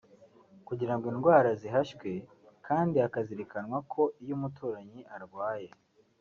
kugirango indwara zihashywe kandi hakazirikanwa ko iyo umuturanyi arwaye